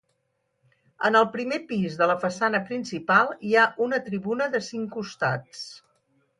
En el primer pis de la façana principal hi ha una tribuna de cinc costats.